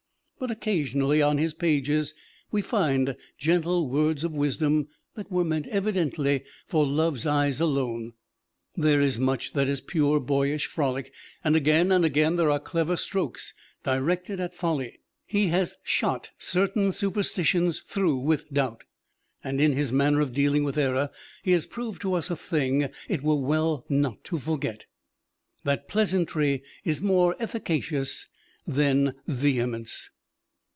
But occasionally on his pages we find gentle words of wisdom that were meant evidently for love's eyes alone. There is much that is pure boyish frolic, and again and again there are clever strokes directed at folly. He has shot certain superstitions through with doubt, and in his manner of dealing with error he has proved to us a thing it were well not to forget: that pleasantry is more efficacious than vehemence.